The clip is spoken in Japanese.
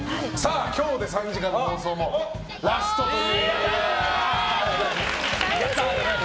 今日で３時間生放送もラストということで。